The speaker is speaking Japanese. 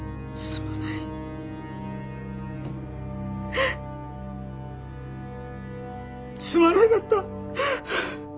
すまなかった。